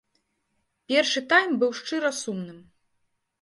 Першы тайм быў шчыра сумным.